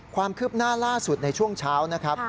ความคืบหน้าล่าสุดในช่วงเช้านะครับ